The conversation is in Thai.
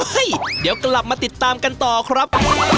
เดี๋ยวกลับมาติดตามกันต่อครับ